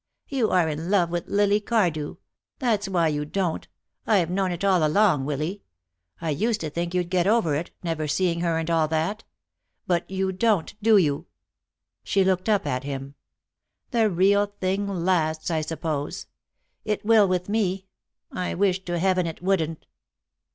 "You are in love with Lily Cardew. That's why you don't I've known it all along, Willy. I used to think you'd get over it, never seeing her and all that. But you don't, do you?" She looked up at him. "The real thing lasts, I suppose. It will with me. I wish to heaven it wouldn't."